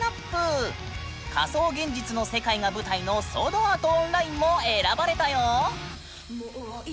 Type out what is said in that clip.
仮想現実の世界が舞台の「ソードアート・オンライン」も選ばれたよ！